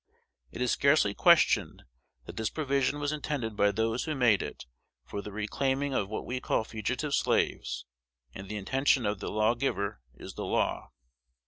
It is scarcely questioned that this provision was intended by those who made it for the reclaiming of what we call fugitive slaves; and the intention of the lawgiver is the law.